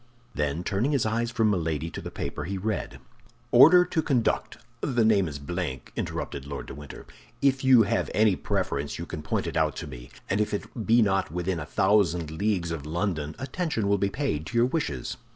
Then turning his eyes from Milady to the paper, he read: "'Order to conduct—' The name is blank," interrupted Lord de Winter. "If you have any preference you can point it out to me; and if it be not within a thousand leagues of London, attention will be paid to your wishes.